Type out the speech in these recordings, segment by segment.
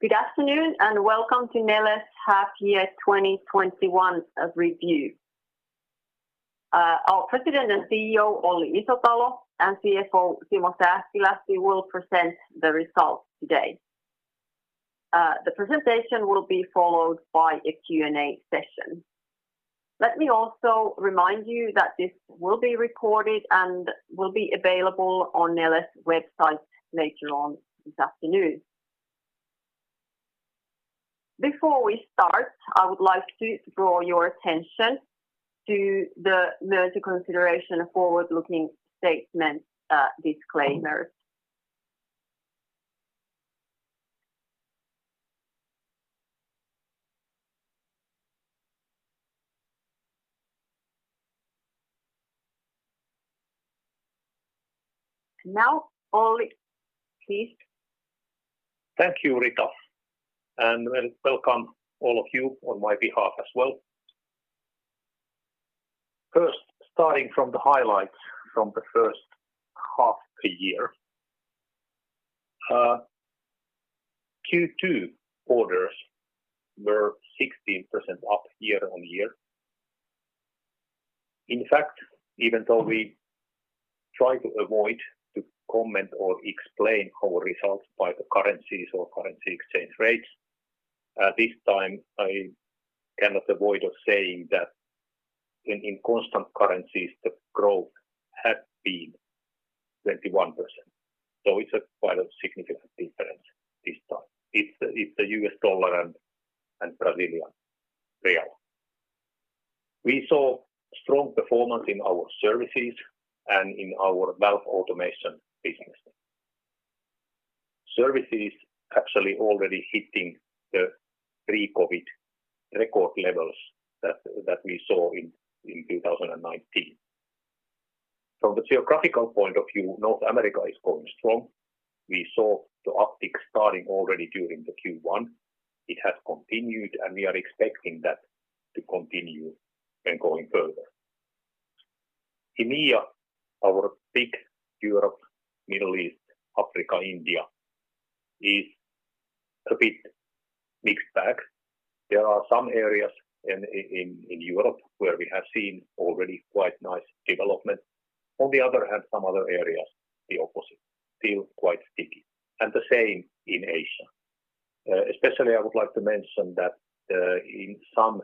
Good afternoon, welcome to Neles half year 2021 review. Our President and CEO, Olli Isotalo, and CFO, Simo Sääskilahti, will present the results today. The presentation will be followed by a Q&A session. Let me also remind you that this will be recorded and will be available on Neles website later on this afternoon. Before we start, I would like to draw your attention to the merger consideration forward-looking statement disclaimer. Now, Olli, please. Thank you, Rita, and welcome all of you on my behalf as well. First, starting from the highlights from the first half year. Q2 orders were 16% up year-on-year. In fact, even though we try to avoid to comment or explain our results by the currencies or currency exchange rates, this time I cannot avoid saying that in constant currencies, the growth has been 21%. It's quite a significant difference this time. It's the US dollar and Brazilian real. We saw strong performance in our services and in our valve automation business. Services actually already hitting the pre-COVID record levels that we saw in 2019. From the geographical point of view, North America is going strong. We saw the uptick starting already during the Q1. It has continued, and we are expecting that to continue and going further. EMEA, our big Europe, Middle East, Africa, India, is a bit mixed bag. There are some areas in Europe where we have seen already quite nice development. On the other hand, some other areas, the opposite, still quite sticky. The same in Asia. Especially, I would like to mention that in some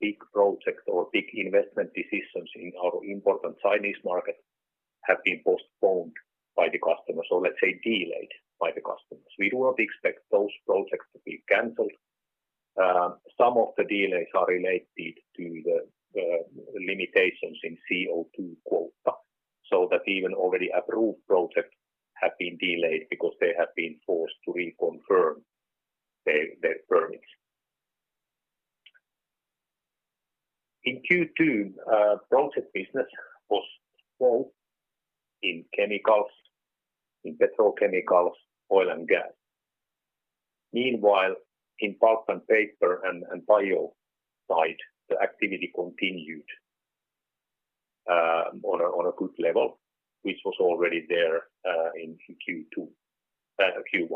big projects or big investment decisions in our important Chinese market have been postponed by the customer, so let's say delayed by the customers. We do not expect those projects to be canceled. Some of the delays are related to the limitations in CO2 quota, so that even already approved projects have been delayed because they have been forced to reconfirm their permits. In Q2, project business was slow in chemicals, in petrochemicals, oil and gas. Meanwhile, in pulp and paper and bio side, the activity continued on a good level, which was already there in Q1.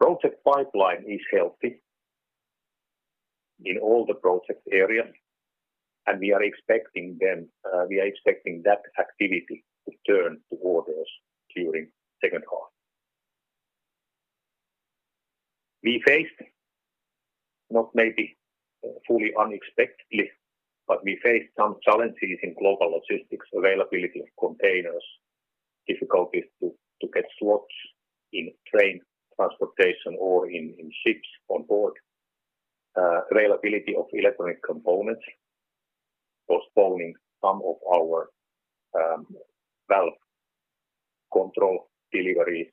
Project pipeline is healthy in all the project areas, and we are expecting that activity to turn to orders during second half. Not maybe fully unexpectedly, but we face some challenges in global logistics, availability of containers, difficulties to get slots in train transportation or in ships on board. Availability of electronic components postponing some of our valve control deliveries,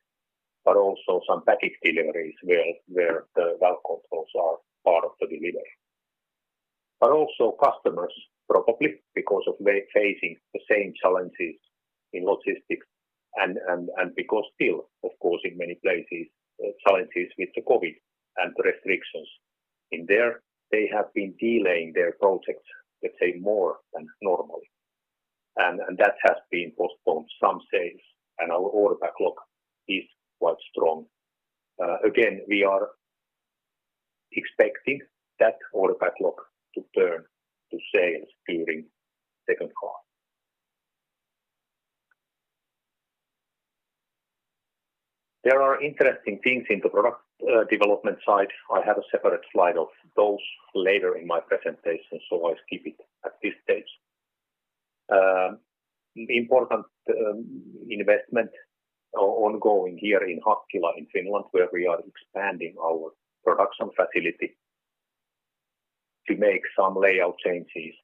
but also some package deliveries where the valve controls are part of the delivery. Customers, probably because of facing the same challenges in logistics and because still, of course, in many places, challenges with the COVID and the restrictions in there, they have been delaying their projects, let's say, more than normal. That has been postponed some sales, and our order backlog is quite strong. Again, we are expecting that order backlog to turn to sales during second half. There are interesting things in the product development side. I have a separate slide of those later in my presentation, so I skip it at this stage. Important investment ongoing here in Hakkila in Finland, where we are expanding our production facility to make some layout changes,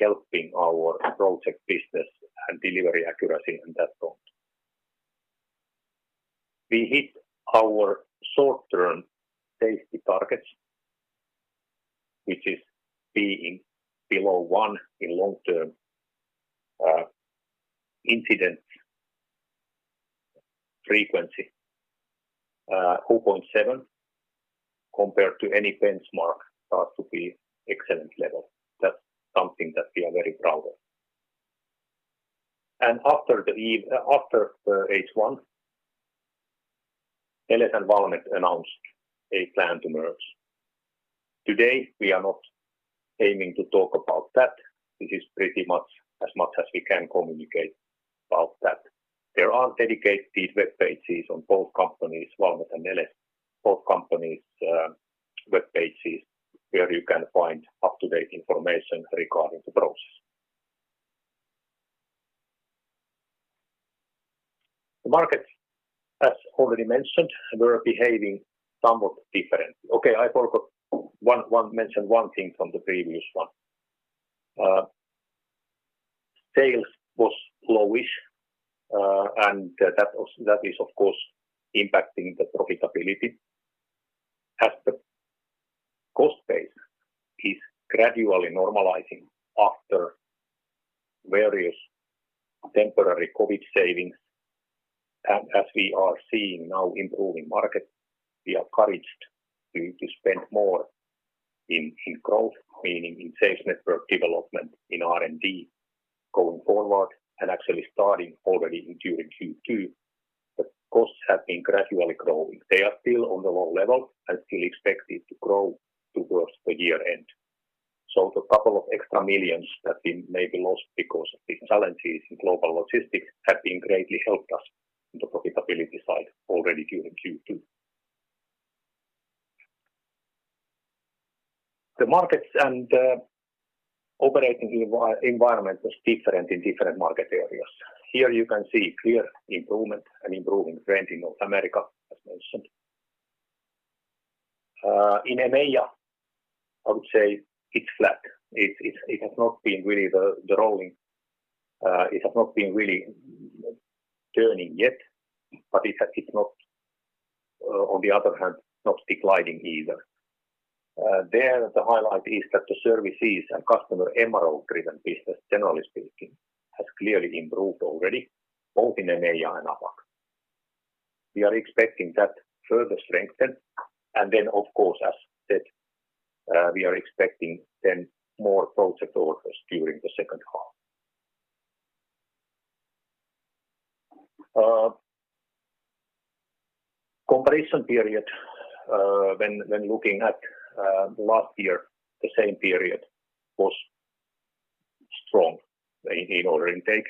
helping our project business and delivery accuracy on that front. We hit our short-term safety targets, which is being below one in long-term incident frequency 2.7 compared to any benchmark starts to be excellent level. That's something that we are very proud of. After H1, Neles and Valmet announced a plan to merge. Today, we are not aiming to talk about that. This is pretty much as much as we can communicate about that. There are dedicated web pages on both companies, Valmet and Neles, both companies' web pages, where you can find up-to-date information regarding the process. The market, as already mentioned, were behaving somewhat differently. Okay, I forgot to mention one thing from the previous one. Sales was slowish, and that is, of course, impacting the profitability. As the cost base is gradually normalizing after various temporary COVID savings, and as we are seeing now improving market, we are encouraged to spend more in growth, meaning in sales network development in R&D going forward and actually starting already during Q2. The costs have been gradually growing. They are still on the low level and still expected to grow towards the year-end. The couple of extra millions that we maybe lost because of the challenges in global logistics have been greatly helped us in the profitability side already during Q2. The markets and the operating environment was different in different market areas. Here you can see clear improvement and improving trend in North America, as mentioned. In EMEA, I would say it's flat. It has not been really turning yet, but it's not, on the other hand, not declining either. There, the highlight is that the services and customer MRO-driven business, generally speaking, has clearly improved already, both in EMEA and APAC. We are expecting that further strengthened. Of course, as said, we are expecting then more project orders during the second half. Comparison period, when looking at last year, the same period was strong in order intake.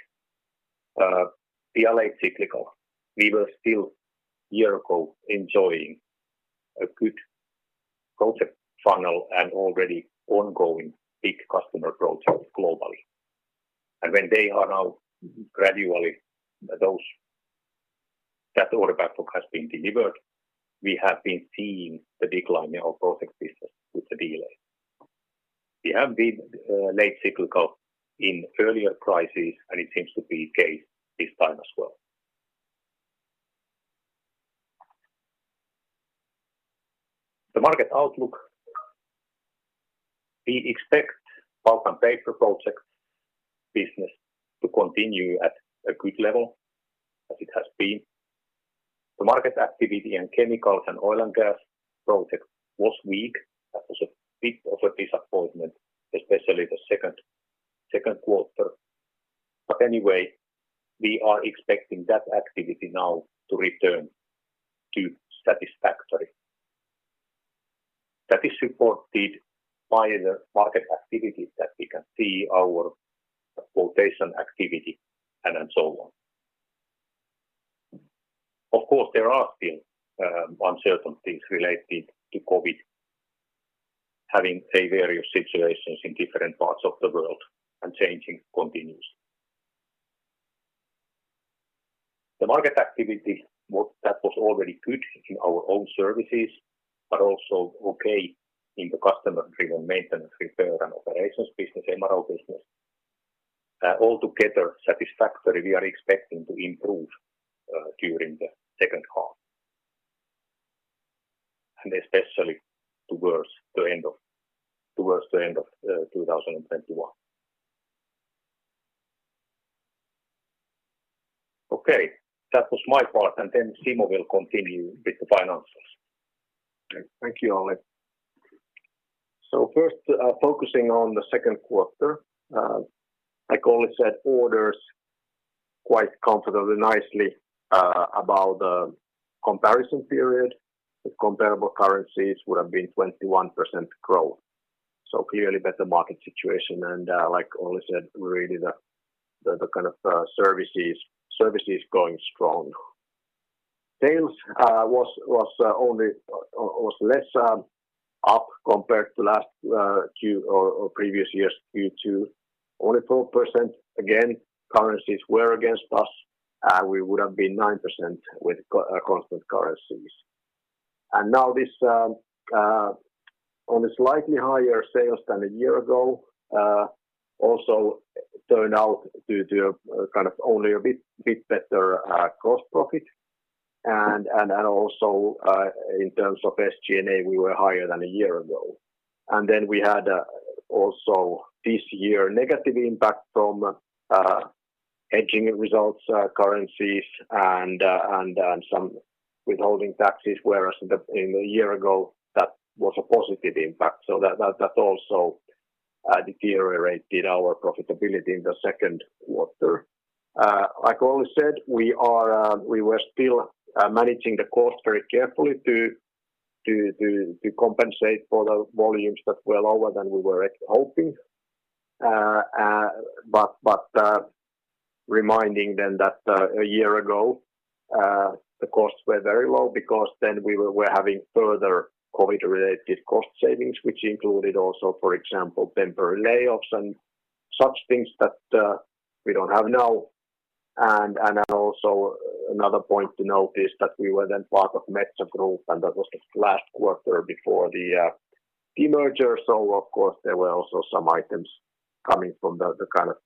We are late cyclical. We were still a year ago enjoying a good project funnel and already ongoing big customer projects globally. That order backlog has been delivered, we have been seeing the decline in our project business with a delay. We have been late cyclical in earlier crises, and it seems to be the case this time as well. The market outlook. We expect pulp and paper projects business to continue at a good level as it has been. The market activity in chemicals and oil and gas project was weak. That was a bit of a disappointment, especially the second quarter. Anyway, we are expecting that activity now to return to satisfactory. That is supported by the market activities that we can see our quotation activity and so on. Of course, there are still uncertainties related to COVID having various situations in different parts of the world and changing continues. The market activity that was already good in our own services, but also okay in the customer-driven maintenance, repair, and operations business, MRO business. All together satisfactory. We are expecting to improve during the second half. Especially towards the end of 2021. Okay. That was my part. Then Simo will continue with the finances. Thank you, Olli. First, focusing on the second quarter. Like Olli said, orders quite comfortably nicely about the comparison period with comparable currencies would have been 21% growth. Clearly better market situation. Like Olli said, really the kind of services going strong. Sales was less up compared to last previous year's Q2, only 4%. Again, currencies were against us. We would have been 9% with constant currencies. Now this on a slightly higher sales than a year ago also turned out to do kind of only a bit better cost profit. Also in terms of SG&A, we were higher than a year ago. We had also this year negative impact from hedging results, currencies, and some withholding taxes, whereas a year ago, that was a positive impact. That also deteriorated our profitability in the second quarter. Olli said, we were still managing the cost very carefully to compensate for the volumes that were lower than we were hoping. Reminding them that a year ago, the costs were very low because then we were having further COVID-related cost savings, which included also, for example, temporary layoffs and such things that we don't have now. Another point to note is that we were then part of Metso Group, and that was the last quarter before the demerger. Of course, there were also some items coming from the kind of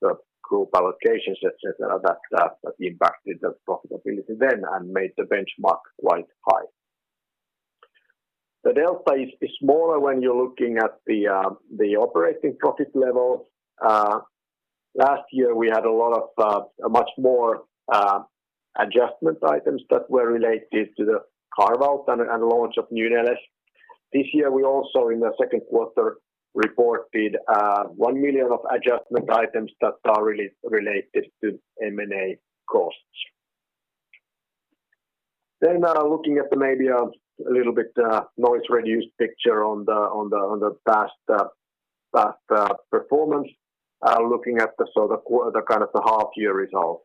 group allocations, etc, that impacted the profitability then and made the benchmark quite high. The delta is smaller when you're looking at the operating profit level. Last year, we had a lot of much more adjustment items that were related to the carve-out and launch of New Neles. This year, we also in the second quarter reported 1 million of adjustment items that are related to M&A costs. Looking at maybe a little bit noise-reduced picture on the past performance, looking at the sort of the half-year results.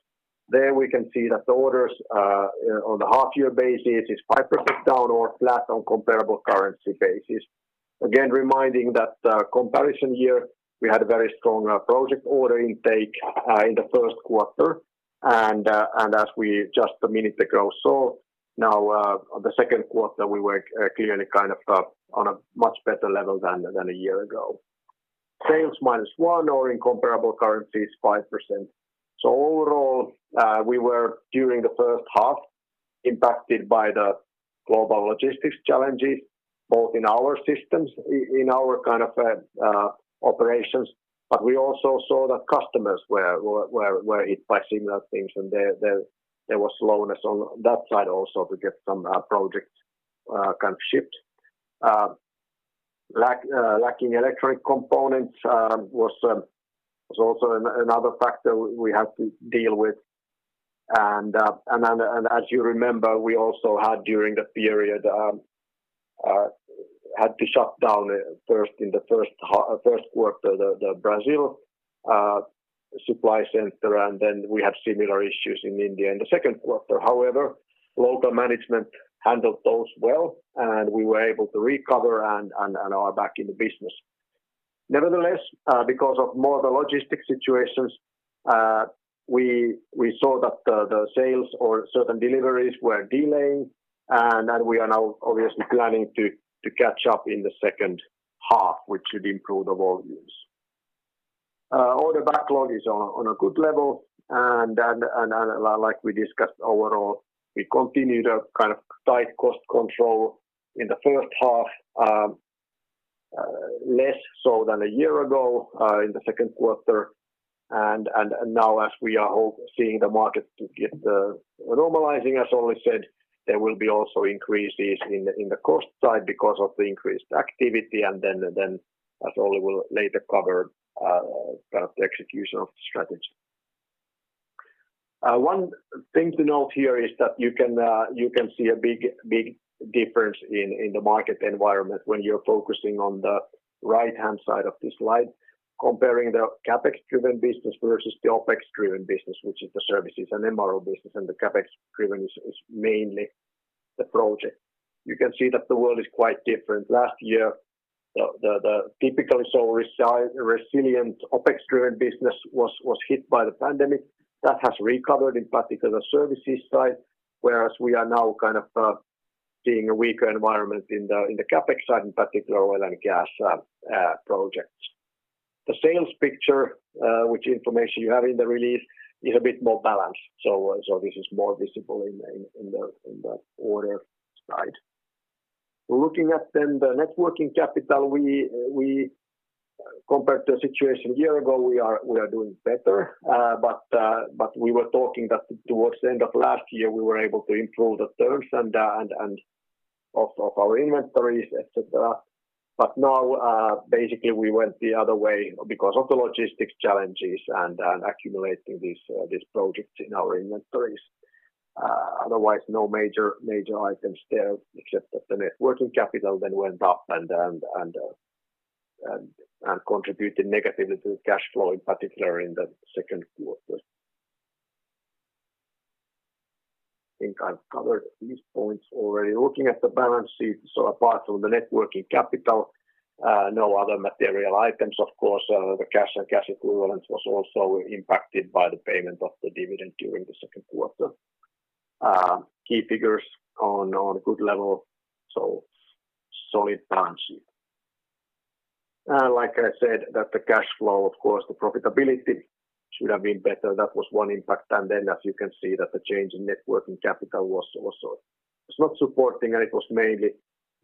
There we can see that the orders on the half-year basis is 5% down or flat on comparable currency basis. Again, reminding that comparison year, we had a very strong project order intake in the first quarter. As we just a minute ago saw, now the second quarter, we were clearly kind of on a much better level than a year ago. Sales -1% or in comparable currency is 5%. Overall, we were, during the first half, impacted by the global logistics challenges, both in our systems, in our kind of operations. We also saw that customers were hit by similar things, and there was slowness on that side also to get some projects kind of shipped. Lacking electric components was also another factor we have to deal with. As you remember, we also had during the period had to shut down first in the first quarter the Brazil supply center, and then we had similar issues in India in the second quarter. However, local management handled those well, and we were able to recover and are back in the business. Nevertheless, because of more the logistics situations, we saw that the sales or certain deliveries were delaying, and we are now obviously planning to catch up in the second half, which should improve the volumes. Order backlog is on a good level. Then like we discussed overall, we continued a kind of tight cost control in the first half, less so than a year ago in the second quarter. Now as we are seeing the market normalizing, as Olli said, there will be also increases in the cost side because of the increased activity, and then as Olli will later cover kind of the execution of the strategy. One thing to note here is that you can see a big difference in the market environment when you're focusing on the right-hand side of the slide, comparing the CapEx-driven business versus the OpEx-driven business, which is the services and MRO business, and the CapEx-driven is mainly the project. You can see that the world is quite different. Last year, the typically so resilient OpEx-driven business was hit by the pandemic. That has recovered in particular the services side, whereas we are now kind of seeing a weaker environment in the CapEx side, in particular oil and gas projects. The sales picture which information you have in the release is a bit more balanced. This is more visible in the order side. Looking at then the net working capital, compared to the situation a year ago, we are doing better. We were talking that towards the end of last year, we were able to improve the terms and of our inventories, etc. Now basically we went the other way because of the logistics challenges and accumulating these projects in our inventories. Otherwise, no major items there except that the net working capital then went up and contributed negatively to the cash flow, in particular in the second quarter. I think I've covered these points already. Looking at the balance sheet, apart from the net working capital, no other material items. Of course, the cash and cash equivalents was also impacted by the payment of the dividend during the second quarter. Key figures on a good level, solid balance sheet. Like I said, that the cash flow, of course, the profitability should have been better. That was one impact. As you can see that the change in net working capital was also not supporting, and it was mainly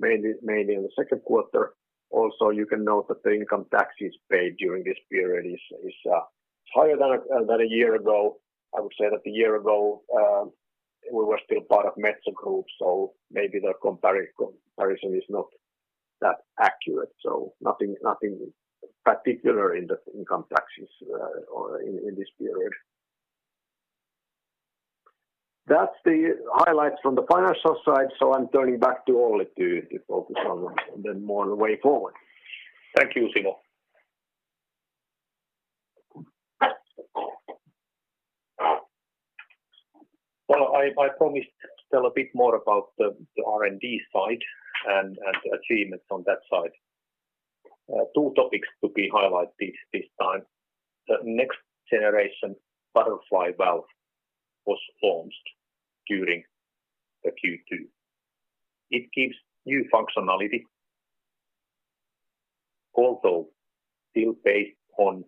in the second quarter. Also, you can note that the income taxes paid during this period is higher than a year ago. I would say that a year ago, we were still part of Metso Group, maybe the comparison is not that accurate. Nothing particular in the income taxes in this period. That's the highlights from the financial side. I'm turning back to Olli to focus on the way forward. Thank you, Simo. I promised to tell a bit more about the R&D side and the achievements on that side. Two topics to be highlighted this time. The next generation butterfly valve was launched during the Q2. It gives new functionality, although still based on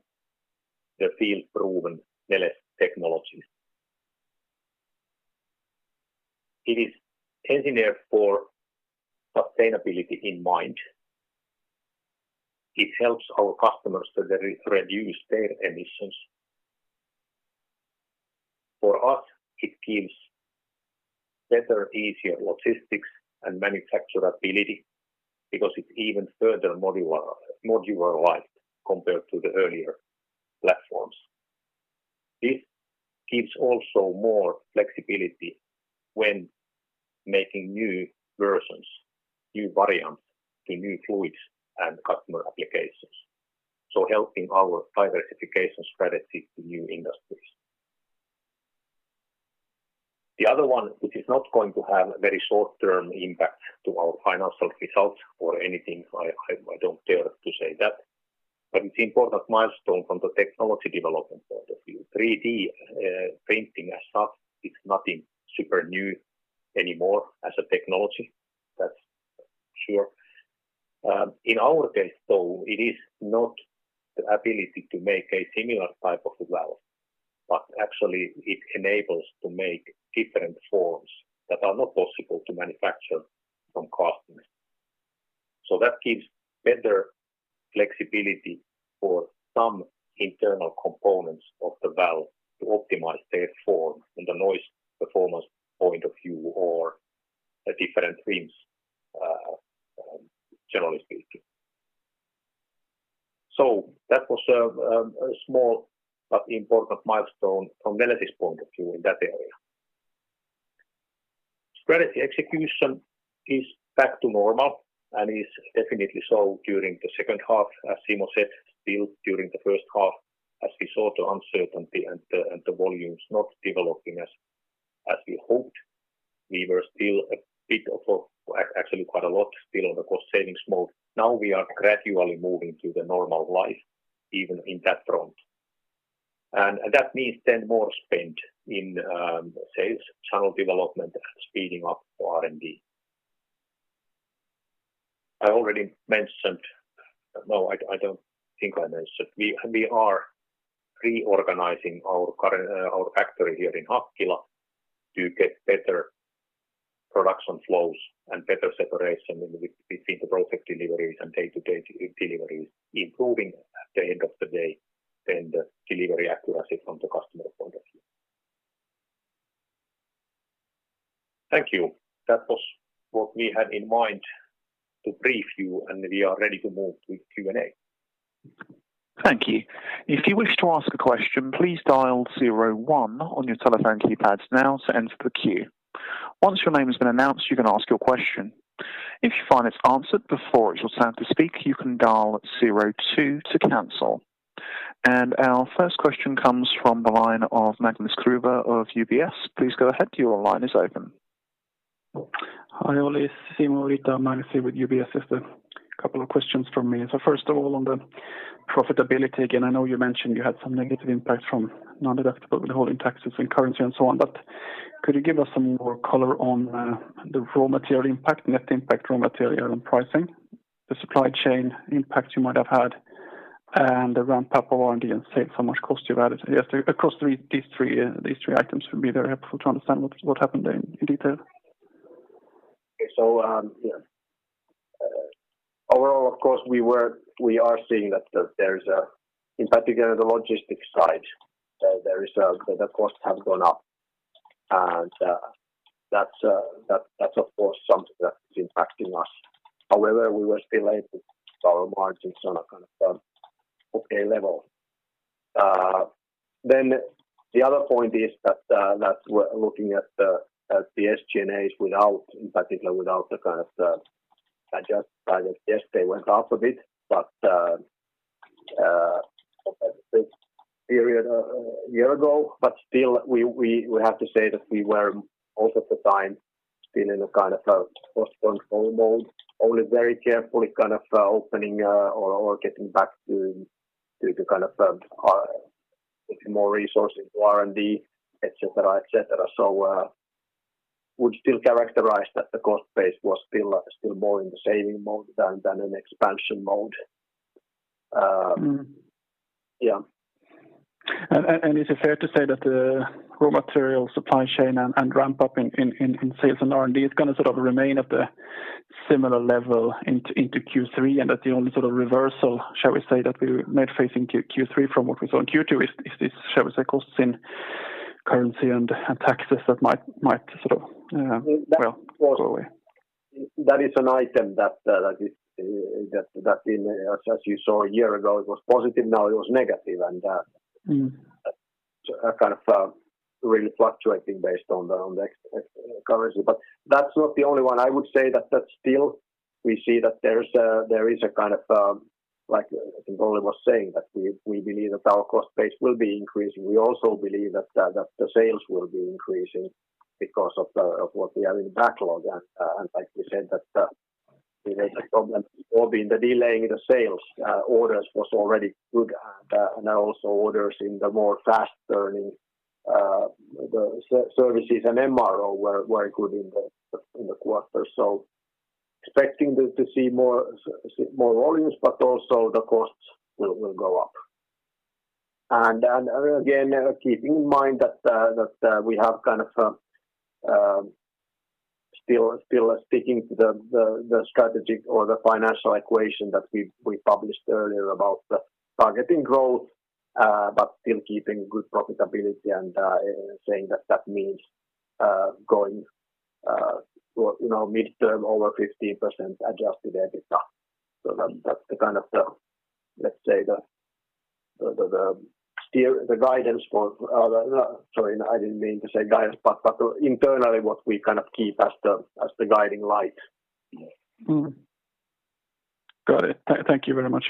the field-proven Neles technology. It is engineered for sustainability in mind. It helps our customers to reduce their emissions. For us, it gives better, easier logistics and manufacturability because it's even further modularized compared to the earlier platforms. This gives also more flexibility when making new versions, new variants to new fluids and customer applications, so helping our diversification strategy to new industries. The other one, which is not going to have a very short-term impact to our financial results or anything, I don't dare to say that, but it's important milestone from the technology development point of view. 3D printing as such is nothing super new anymore as a technology, that's sure. In our case, it is not the ability to make a similar type of valve, but actually it enables to make different forms that are not possible to manufacture from cast iron. That gives better flexibility for some internal components of the valve to optimize their form in the noise performance point of view or different trims, generally speaking. That was a small but important milestone from Neles' point of view in that area. Strategy execution is back to normal and is definitely so during the second half. As Simo said, still during the first half, as we saw the uncertainty and the volumes not developing as we hoped, we were still a bit of, or actually quite a lot still on the cost savings mode. We are gradually moving to the normal life, even in that front. That means more spend in sales channel development and speeding up for R&D. No, I don't think I mentioned. We are reorganizing our factory here in Hakkila to get better production flows and better separation between the project deliveries and day-to-day deliveries, improving, at the end of the day, the delivery accuracy from the customer point of view. Thank you. That was what we had in mind to brief you. We are ready to move to Q&A. Thank you. If you wish to ask a question, please dial zero one on your telephone keypads now to enter the queue. Once your name has been announced, you can ask your question. If you find it's answered before it's your turn to speak, you can dial zero two to cancel. Our first question comes from the line of Magnus Gruber of UBS. Please go ahead. Your line is open. Hi, Olli, Simo, Rita. Magnus here with UBS. Just a couple of questions from me. First of all, on the profitability, again, I know you mentioned you had some negative impact from non-deductible withholding taxes and currency and so on, but could you give us some more color on the raw material impact, net impact, raw material and pricing, the supply chain impact you might have had, and the ramp-up of R&D and sales, how much cost you added yesterday? Across these three items would be very helpful to understand what happened there in detail. Okay. Overall, of course, we are seeing that there is a, in particular, the logistics side, the costs have gone up. That's of course something that is impacting us. However, we were still able to keep our margins on a kind of okay level. The other point is that looking at the SG&A without, in particular, without the kind of adjust, yes, they went up a bit. The same period a year ago, still, we have to say that we were most of the time still in a kind of a cost control mode, only very carefully kind of opening or getting back to the kind of putting more resources to R&D, etc. Would still characterize that the cost base was still more in the saving mode than an expansion mode. Yeah. Is it fair to say that the raw material supply chain and ramp-up in sales and R&D is going to remain at the similar level into Q3, and that the only sort of reversal, shall we say, that we made facing Q3 from what we saw in Q2 is this, shall we say, costs in currency and taxes? That was- Well, go away. That is an item that as you saw a year ago, it was positive, now it was negative. Kind of really fluctuating based on the currency. That's not the only one. I would say that still we see that there is a kind of, like I think Olli was saying, that we believe that our cost base will be increasing. We also believe that the sales will be increasing because of what we have in backlog, and like we said that we made a comment before being the delay in the sales orders was already good. Now also orders in the more fast-turning services and MRO were good in the quarter. Expecting to see more volumes, but also the costs will go up. Again, keeping in mind that we have still sticking to the strategy or the financial equation that we published earlier about targeting growth, but still keeping good profitability and saying that means going midterm over 15% adjusted EBITDA. That's the kind of, let's say the guidance for Sorry, I didn't mean to say guidance, but internally what we kind of keep as the guiding light. Got it. Thank you very much.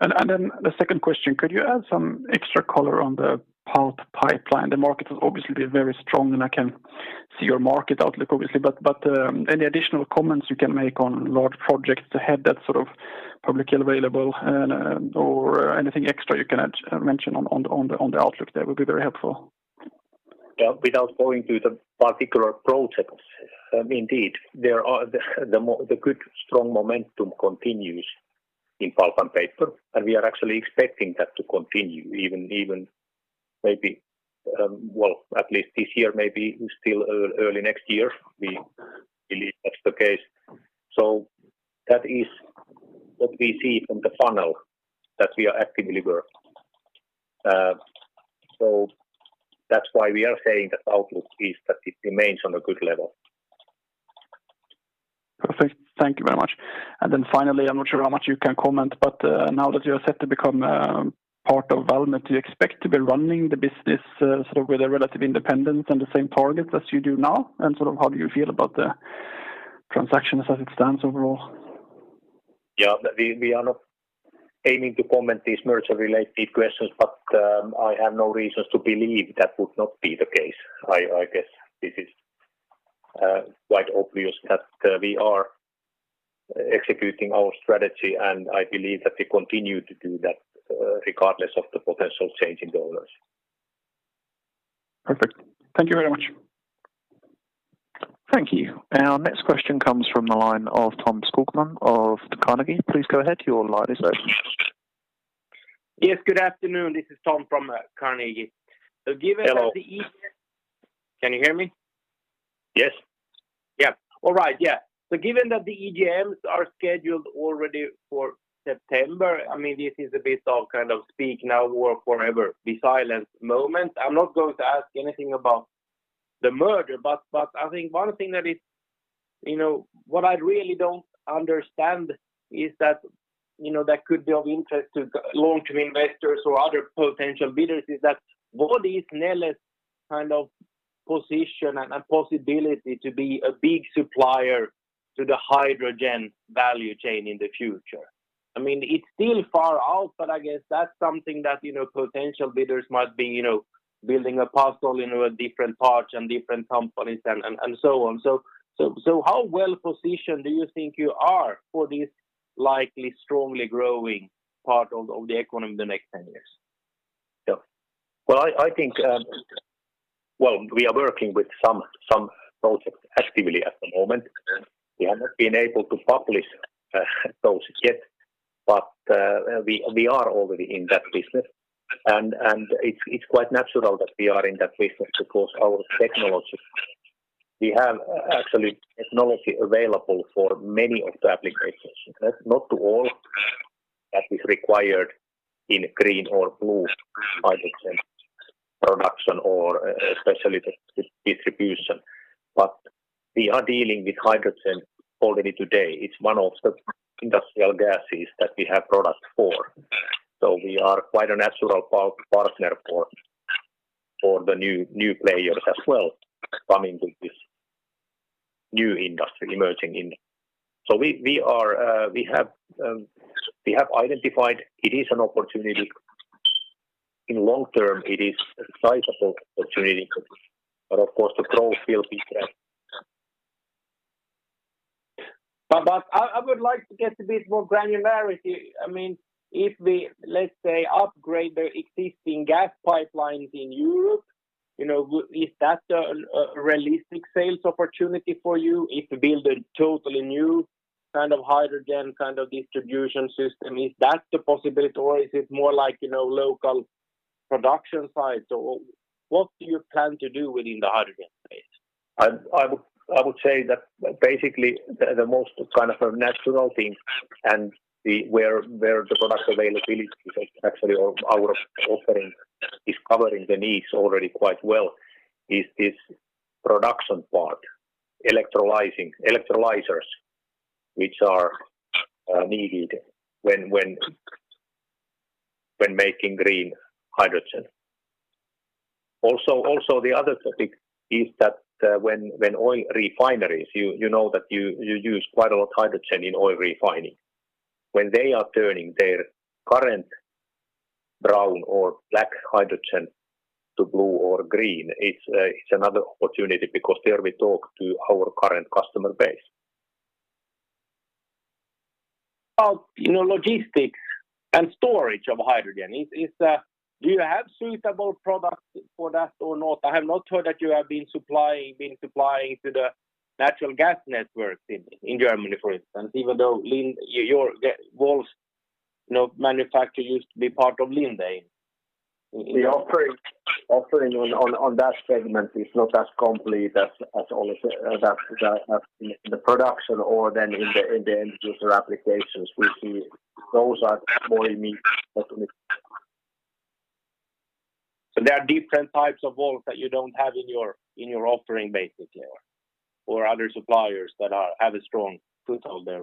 The second question, could you add some extra color on the pulp pipeline? The market will obviously be very strong, and I can see your market outlook obviously. Any additional comments you can make on large projects ahead that's sort of publicly available and/or anything extra you can mention on the outlook there would be very helpful. Yeah. Without going to the particular projects, indeed, the good strong momentum continues in pulp and paper. We are actually expecting that to continue even maybe, well, at least this year, maybe still early next year, we believe that's the case. That is what we see from the funnel that we are actively working. That's why we are saying that outlook is that it remains on a good level. Perfect. Thank you very much. Finally, I'm not sure how much you can comment, but now that you are set to become part of Valmet, do you expect to be running the business sort of with a relative independence and the same targets as you do now? Sort of how do you feel about the transaction as it stands overall? Yeah. We are not aiming to comment these merger-related questions, but I have no reasons to believe that would not be the case. I guess this is quite obvious that we are executing our strategy, and I believe that we continue to do that regardless of the potential change in the owners. Perfect. Thank you very much. Thank you. Our next question comes from the line of Tom Skogman of Carnegie. Please go ahead, your line is open. Yes, good afternoon. This is Tom from Carnegie. Hello. Can you hear me? Yes. Given that the EGMs are scheduled already for September, I mean, this is a bit of kind of speak now or forever be silent moment. I'm not going to ask anything about the merger, but I think one thing that is what I really don't understand is that could be of interest to long-term investors or other potential bidders, is that what is Neles' kind of position and possibility to be a big supplier to the hydrogen value chain in the future? I mean, it's still far out, but I guess that's something that potential bidders must be building a puzzle in different parts and different companies and so on. How well-positioned do you think you are for this likely strongly growing part of the economy in the next 10 years? Yeah. Well, we are working with some projects actively at the moment. We have not been able to publish those yet, but we are already in that business. It's quite natural that we are in that business because our technology, we have actually technology available for many of the applications. Not to all that is required in green or blue hydrogen production or especially the distribution. We are dealing with hydrogen already today. It's one of the industrial gases that we have product for. We are quite a natural partner for the new players as well coming to this new industry, emerging industry. We have identified it is an opportunity. In long term, it is a sizable opportunity, but of course, the growth will be there. I would like to get a bit more granularity. I mean, if we, let's say, upgrade the existing gas pipelines in Europe, is that a realistic sales opportunity for you if you build a totally new kind of hydrogen distribution system? Is that the possibility, or is it more local production sites, or what do you plan to do within the hydrogen space? I would say that basically the most natural thing and where the product availability is actually our offering is covering the needs already quite well is this production part, electrolyzers, which are needed when making green hydrogen. Also, the other topic is that when oil refineries, you know that you use quite a lot hydrogen in oil refining. When they are turning their current brown or black hydrogen to blue or green, it's another opportunity because there we talk to our current customer base. How logistics and storage of hydrogen, do you have suitable products for that or not? I have not heard that you have been supplying to the natural gas networks in Germany, for instance, even though your valves manufacturer used to be part of Linde. The offering on that segment is not as complete as the production or then in the end user applications. We see those are more immediate. There are different types of valves that you don't have in your offering basically, or other suppliers that have a strong foothold there.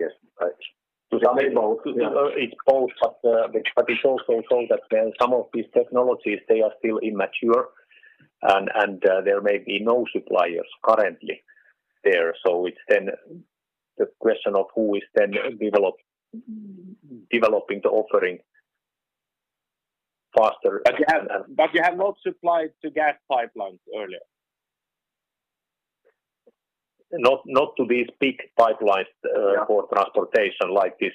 Yes. It's both, but it's also so that when some of these technologies, they are still immature and there may be no suppliers currently there. It's then the question of who is then developing the offering faster. You have not supplied to gas pipelines earlier? Not to these big pipelines. Yeah. For transportation like this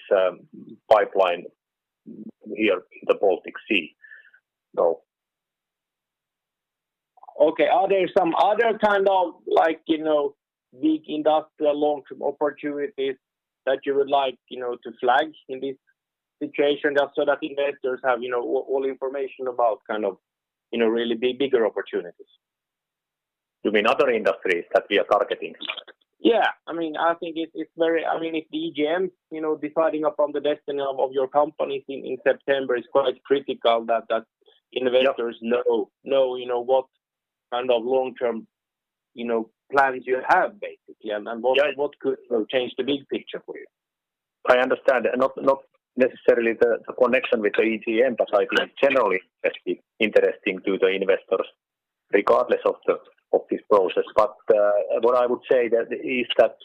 pipeline here in the Baltic Sea, no. Are there some other kind of big industrial long-term opportunities that you would like to flag in this situation, just so that investors have all information about really bigger opportunities? You mean other industries that we are targeting? Yeah. I think if EGM deciding upon the destiny of your company in September, it's quite critical that investors know what kind of long-term plans you have, basically, and what could change the big picture for you. I understand. Not necessarily the connection with the EGM, I think generally that's interesting to the investors regardless of this process. What I would say is that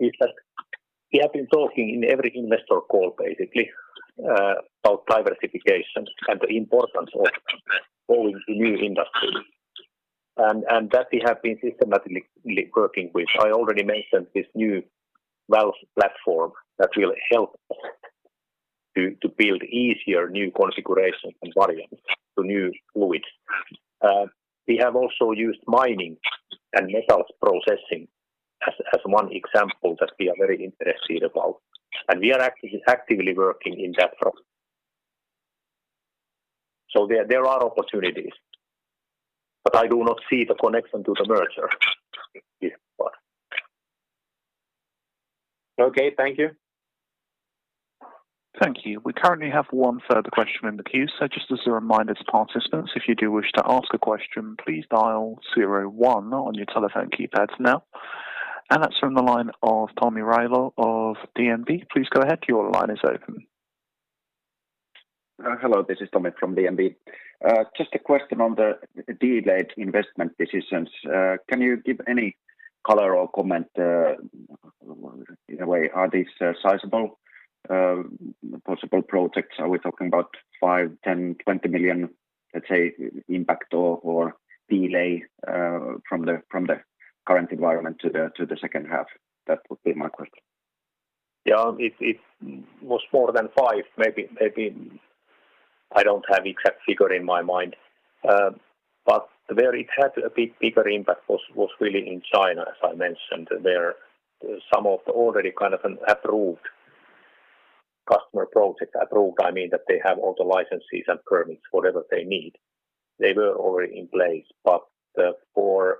we have been talking in every investor call basically, about diversification and the importance of going to new industry, and that we have been systematically working with. I already mentioned this new valve platform that will help us to build easier new configurations and variants to new fluids. We have also used mining and metals processing as one example that we are very interested about, and we are actively working in that front. There are opportunities, I do not see the connection to the merger here. Okay. Thank you. Thank you. We currently have one further question in the queue. Just as a reminder to participants, if you do wish to ask a question, please dial zero one on your telephone keypads now. That's from the line of Tomi Railo of DNB. Please go ahead. Your line is open. Hello, this is Tomi from DNB. Just a question on the delayed investment decisions. Can you give any color or comment, either way, are these sizeable possible projects? Are we talking about 5 million, 10 million, 20 million, let's say, impact or delay from the current environment to the second half? That would be my question. Yeah. It was more than five, maybe. I don't have exact figure in my mind. Where it had a bit bigger impact was really in China, as I mentioned, there some of already kind of an approved customer project. Approved, I mean that they have all the licenses and permits, whatever they need. They were already in place. For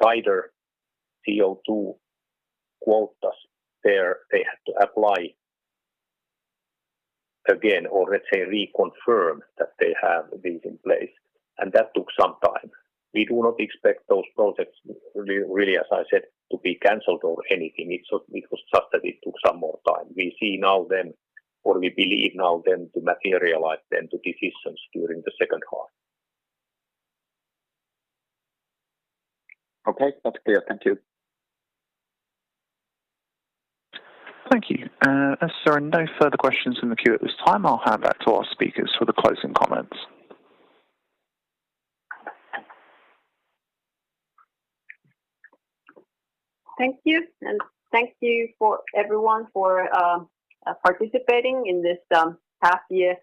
tighter CO2 quotas, there they had to apply again, or let's say, reconfirm that they have these in place, and that took some time. We do not expect those projects really, as I said, to be canceled or anything. It was just that it took some more time. We see now then, or we believe now then to materialize then to decisions during the second half. Okay. That's clear. Thank you. Thank you. As there are no further questions in the queue at this time, I'll hand back to our speakers for the closing comments. Thank you. Thank you everyone for participating in this half year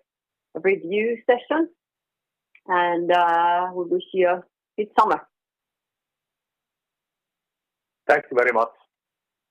review session. We wish you good summer. Thank you very much.